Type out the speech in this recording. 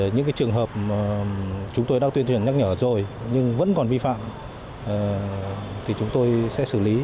những trường hợp chúng tôi đã tuyên truyền nhắc nhở rồi nhưng vẫn còn vi phạm thì chúng tôi sẽ xử lý